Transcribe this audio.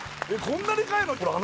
こんなでかいの？